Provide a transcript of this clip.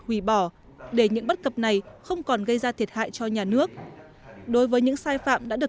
hủy bỏ để những bất cập này không còn gây ra thiệt hại cho nhà nước đối với những sai phạm đã được